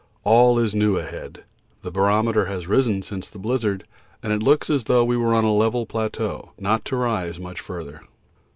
All is new ahead. The barometer has risen since the blizzard, and it looks as though we were on a level plateau, not to rise much further.